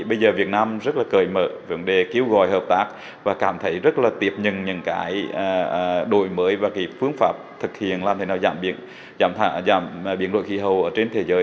bây giờ việt nam rất là cởi mở vấn đề kêu gọi hợp tác và cảm thấy rất là tiếp nhận những cái đổi mới và cái phương pháp thực hiện làm thế nào giảm biến đổi khí hậu ở trên thế giới